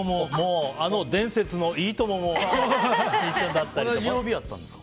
あの伝説の「いいとも！」も一緒だったりとか。